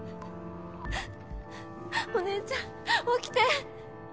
お姉ちゃん起きて！